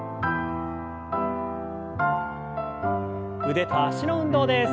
腕と脚の運動です。